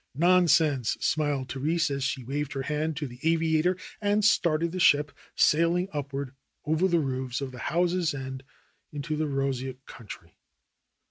"Nonsense !" smiled Therese as she waved her hand to the aviator and started the ship sailing upward over the roofs of the houses and out into the roseate country.